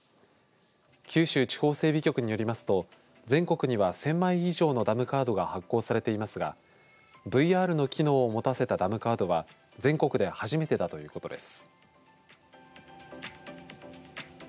九州地方整備局によりますと全国には１０００枚以上のダムカードが発行されていますがＶＲの機能を持たせたダムカードは全国で初めてだということです。